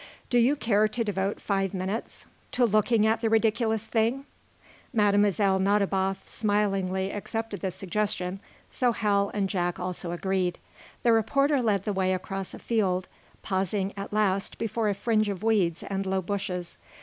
Do you care to devote five minutes to looking at the ridiculous thing?" Mlle. Nadiboff smilingly accepted the suggestion, so Hal and Jack also agreed. The reporter led the way across a field, pausing at last before a fringe of weeds and low bushes.